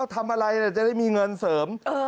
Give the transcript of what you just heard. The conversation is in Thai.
ทำอะไรจะได้มีเงินเสริม